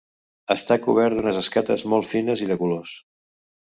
Està cobert d'unes escates molt fines i de colors.